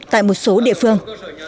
tại một số địa phương